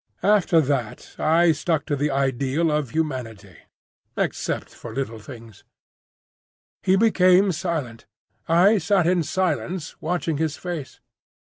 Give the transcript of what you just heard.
After that I stuck to the ideal of humanity—except for little things." He became silent. I sat in silence watching his face.